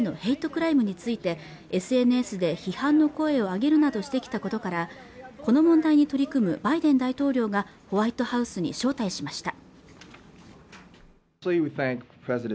クライムについてＳＮＳで批判の声を上げるなどしてきたことからこの問題に取り組むバイデン大統領がホワイトハウスに招待しました